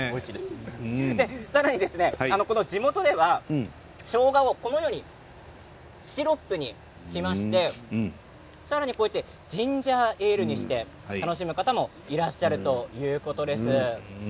さらに地元ではしょうがを、このようにシロップにしましてさらにジンジャーエールにして楽しむ方もいらっしゃるということです。